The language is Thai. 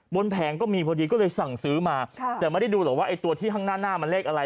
แผงก็มีพอดีก็เลยสั่งซื้อมาแต่ไม่ได้ดูหรอกว่าไอ้ตัวที่ข้างหน้าหน้ามันเลขอะไร